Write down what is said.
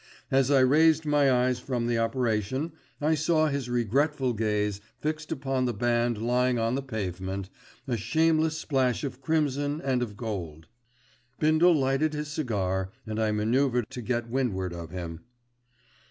As I raised my eyes from the operation, I saw his regretful gaze fixed upon the band lying on the pavement, a shameless splash of crimson and of gold. Bindle lighted his cigar and I manoeuvred to get to windward of him.